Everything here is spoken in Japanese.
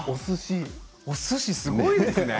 おすし、すごいですね。